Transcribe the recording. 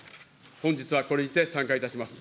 本日はこれにて散会いたします。